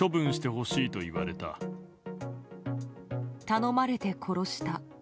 頼まれて殺した。